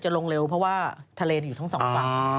ลงเร็วเพราะว่าทะเลอยู่ทั้งสองฝั่ง